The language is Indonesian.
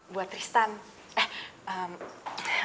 buat tristan eh emm